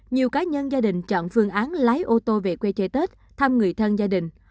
nhiều cá nhân gia đình chọn phương án lái ô tô về quê chơi tết thăm người thân gia đình